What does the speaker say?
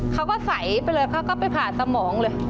เขาก็ใสไปเลยเขาก็ไปผ่าสมองเลย